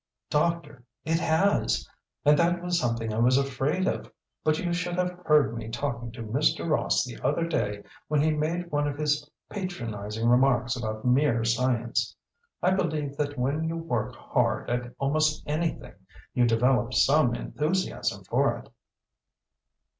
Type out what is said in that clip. "Doctor it has. And that was something I was afraid of. But you should have heard me talking to Mr. Ross the other day when he made one of his patronising remarks about mere science. I believe that when you work hard at almost anything you develop some enthusiasm for it."